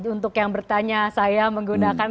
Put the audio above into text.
untuk yang bertanya saya menggunakan